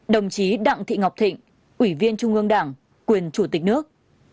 một mươi bảy đồng chí đặng thị ngọc thịnh ủy viên trung ương đảng quyền chủ tịch nước